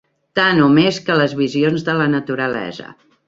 Tant o més que les visions de la naturalesa